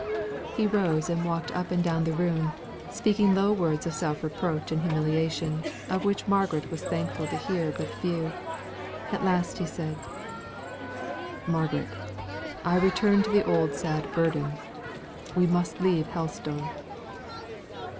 He rose and walked up and down the room, speaking low words of self reproach and humiliation, of which Margaret was thankful to hear but few. At last he said, "Margaret, I return to the old sad burden: we must leave Helstone."